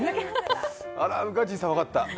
あら、宇賀神さん分かった。